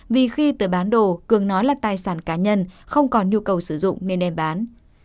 vì khi tự bán đồ cường nói là tài sản cá nhân không còn nhu cầu sử dụng nên đem bán